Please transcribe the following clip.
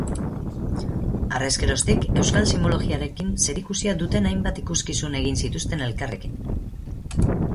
Harrezkeroztik, euskal sinbologiarekin zerikusia duten hainbat ikuskizun egin zituzten elkarrekin.